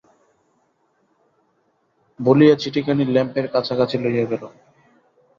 বলিয়া চিঠিখানি ল্যাম্পের কাছাকাছি লইয়া গেল।